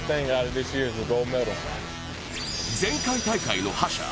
前回大会の覇者